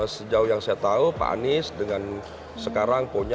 sejauh yang saya tahu pak anies dengan sekarang punya